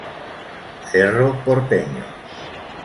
Cerro Porteño